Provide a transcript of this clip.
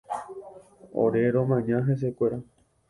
Ore romaña hesekuéra.